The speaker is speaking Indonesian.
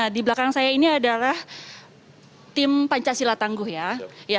di belakang saya ini adalah tim pancasila tangguh ya